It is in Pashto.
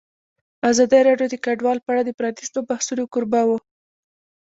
ازادي راډیو د کډوال په اړه د پرانیستو بحثونو کوربه وه.